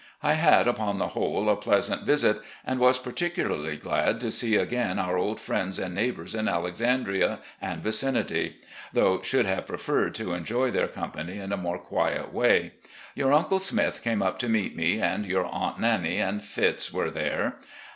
I had, upon the whole, a pleasant visit, and was particularly glad to see again our old friends and neighbours in Alexandria and vicinity; though should have preferred to enjoy their company in a more quiet way. Your Uncle Smith came up to meet me, and your Aunt Nannie and Fitz. were there.